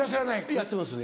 やってます。